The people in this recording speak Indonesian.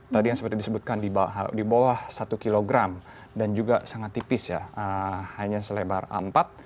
tadi seperti yang disebutkan dibawah satu kg dan juga sangat tipis hanya selebar a empat